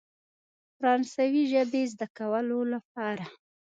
فرانسوي ژبې زده کولو لپاره.